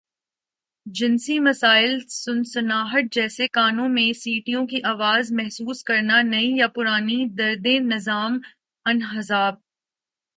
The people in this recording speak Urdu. جنسی مسائل سنسناہٹ جیسے کانوں میں سیٹیوں کی آواز محسوس کرنا نئی یا پرانی دردیں نظام انہضام